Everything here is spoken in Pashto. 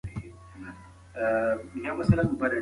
پلار د کورنی د ټولو غړو لپاره د فخر ځای دی.